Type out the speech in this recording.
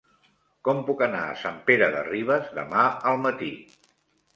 Com puc anar a Sant Pere de Ribes demà al matí?